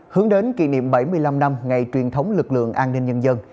hướng đến kỷ niệm bảy mươi năm năm ngày truyền thống lực lượng an ninh nhân dân